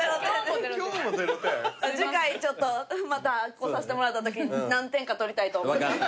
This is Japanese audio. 次回ちょっとまた来させてもらったときに何点か取りたいと思います。